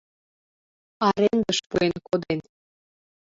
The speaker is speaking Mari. Арендыш пуэн коден...